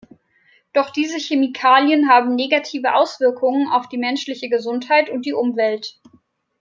Doch diese Chemikalien haben negative Auswirkungen auf die menschliche Gesundheit und die Umwelt.